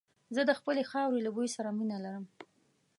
زه د خپلې خاورې له بوی سره مينه لرم.